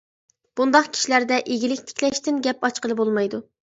مۇنداق كىشىلەردە، ئىگىلىك تىكلەشتىن گەپ ئاچقىلى بولمايدۇ.